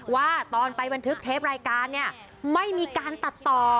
ว่าตอนไปบันทึกเทปรายการเนี่ยไม่มีการตัดต่อ